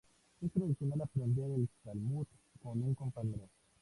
Es tradicional aprender el Talmud con un compañero.